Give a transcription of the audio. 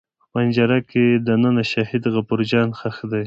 په پنجره کې دننه شهید غفور جان ښخ دی.